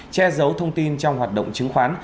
che giấu thông tin trong hoạt động truyền thông